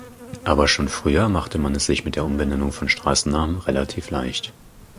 Aber schon früher machte man es sich mit der Umbenennung von Straßennamen relativ leicht.